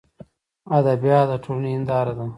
ادبیات دټولني هنداره ده.